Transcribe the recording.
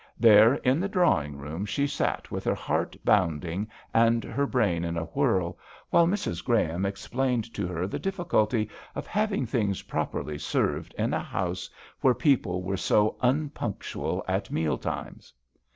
There, in the drawing room, she sat with her heart bounding and her brain in a whirl, while Mrs. Graham explained to her the difficulty of having things properly served in a house where people were so unpunctual at meal times.